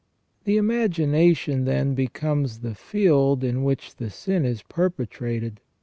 The imagination then becomes the field in which the sin is perpetrated.